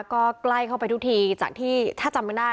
ก็ใกล้เข้าไปทุกทีจากที่ถ้าจำไม่ได้